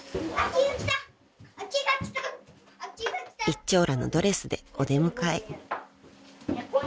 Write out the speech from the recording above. ［一張羅のドレスでお出迎え］